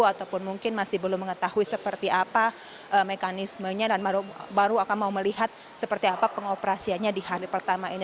ataupun mungkin masih belum mengetahui seperti apa mekanismenya dan baru akan mau melihat seperti apa pengoperasiannya di hari pertama ini